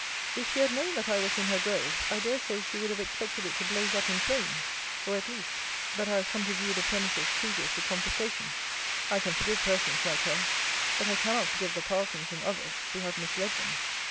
If she had known that I was in her grove, I dare say she would have expected it to blaze up in flames; or, at least, that I was come to view the premises previous to confiscation! I can forgive persons like her; but I cannot forgive the Parsons and others who have misled them!